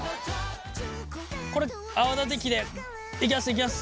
これ泡立て器でいきますいきます。